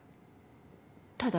ただ。